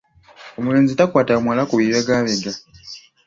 Omulenzi takwata muwala ku bibegabega